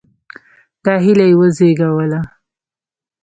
دا هیله یې وزېږوله.